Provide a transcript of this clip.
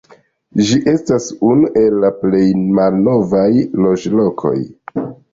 Ĝi estas unu el la plej malnovaj loĝlokoj.